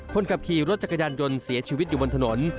คนขับขี่รถจักรยานยนต์เสียชีวิตอยู่บนถนน